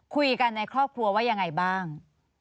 คุยกันในครอบครัวว่ายังไงบ้าง